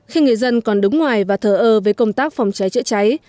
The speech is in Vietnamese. khi người dân còn đứng ngoài và thờ ơ với công tác phòng cháy chữa cháy